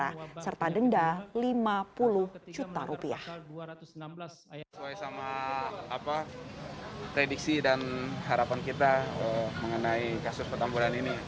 apa prediksi dan harapan kita mengenai kasus pertempuran ini